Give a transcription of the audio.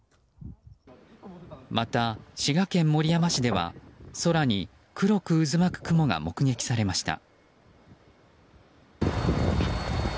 また、滋賀県守山市では空に黒く渦巻く雲が目撃されました。